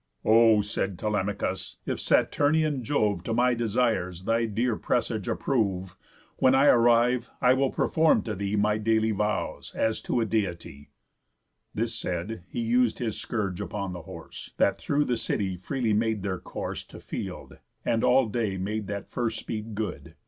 "O," said Telemachus, "if Saturnian Jove To my desires thy dear presage approve, When I arrive, I will perform to thee My daily vows, as to a Deity." This said, he us'd his scourge upon the horse, That through the city freely made their course To field, and all day made that first speed good.